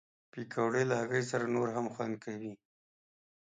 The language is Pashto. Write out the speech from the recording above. پکورې له هګۍ سره نور هم خوند کوي